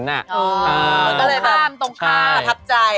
อ๋อตรงข้ามตรงข้ามอธับใจ